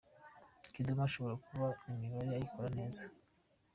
Kidumu ashobora kuba imibare ayikora neza.